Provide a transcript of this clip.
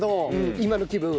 今の気分は？